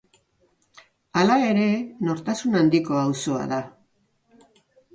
Hala ere, nortasun handiko auzoa da.